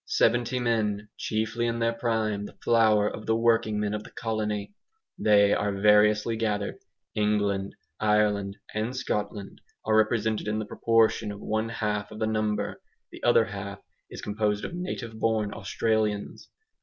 Seventy men, chiefly in their prime, the flower of the working men of the colony, they are variously gathered. England, Ireland, and Scotland are represented in the proportion of one half of the number; the other half is composed of native born Australians.